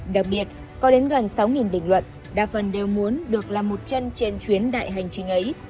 đặc biệt có đến gần sáu bình luận đa phần đều muốn được làm một chân trên chuyến đại hành trình ấy